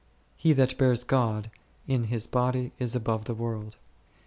He that bears God in his body is above the world.